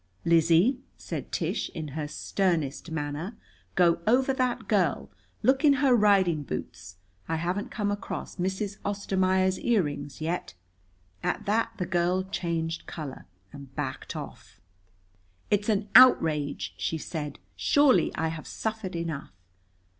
"Lizzie," said Tish in her sternest manner, "go over that girl. Look in her riding boots. I haven't come across Mrs. Ostermaier's earrings yet." At that the girl changed color and backed off. "It's an outrage," she said. "Surely I have suffered enough."